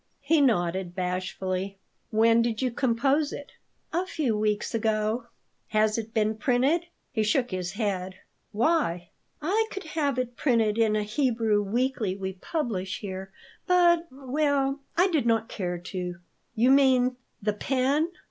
He nodded bashfully "When did you compose it?" "A few weeks ago." "Has it been printed?" He shook his head "Why?" "I could have it printed in a Hebrew weekly we publish here, but well, I did not care to." "You mean The Pen?"